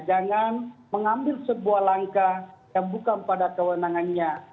jangan mengambil sebuah langkah yang bukan pada kewenangannya